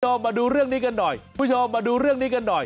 มาดูเรื่องนี้กันหน่อยผู้ชมมาดูเรื่องนี้กันหน่อย